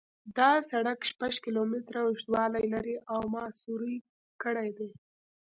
دا سرک شپږ کیلومتره اوږدوالی لري او ما سروې کړی دی